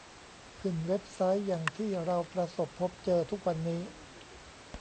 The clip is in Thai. ขึ้นเว็บไซต์อย่างที่เราประสบพบเจอทุกวันนี้